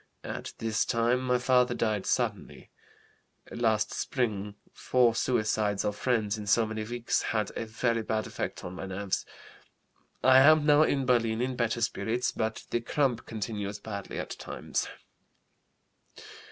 At this time my father died suddenly. Last spring four suicides of friends in so many weeks had a very bad effect on my nerves. I am now in Berlin in better spirits, but the cramp continues badly at times.